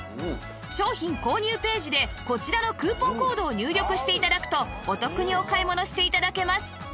商品購入ページでこちらのクーポンコードを入力して頂くとお得にお買い物して頂けます